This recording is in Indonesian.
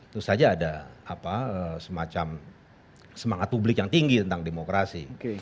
itu saja ada semacam semangat publik yang tinggi tentang demokrasi